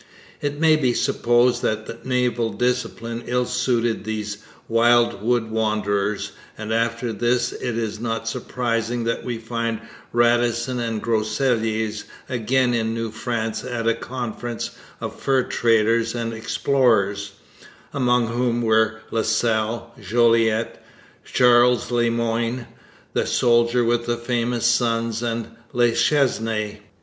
It may be supposed that naval discipline ill suited these wild wood wanderers, and after this it is not surprising that we find Radisson and Groseilliers again in New France at a conference of fur traders and explorers, among whom were La Salle, Jolliet, Charles Le Moyne, the soldier with the famous sons, and La Chesnaye.